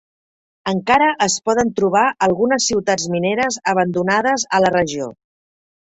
Encara es poden trobar algunes ciutats mineres abandonades a la regió.